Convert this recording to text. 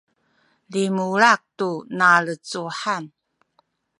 limulak tu nalecuhan